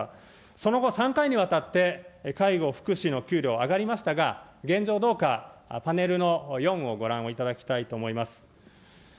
その後、３回にわたって介護、福祉の給料上がりましたが、現状どうか、パネルの４をご覧をいただきたいと思います。